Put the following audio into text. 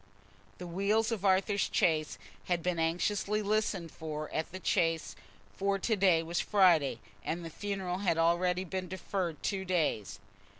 The wheels of Arthur's chaise had been anxiously listened for at the Chase, for to day was Friday, and the funeral had already been deferred two days.